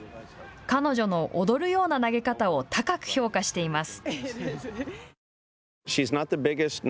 彼女の踊るような投げ方を高く評価しています。